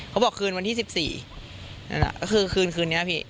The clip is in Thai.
เขาบอกคืนวันที่สิบสี่นั่นแหละก็คือคืนคืนนี้ครับพี่